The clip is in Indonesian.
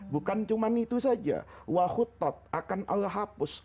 bukan cuma salawatnya